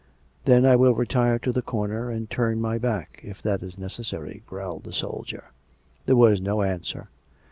" But I will retire to the corner and turn my back, if that is necessary," growled the soldier. There was no answer.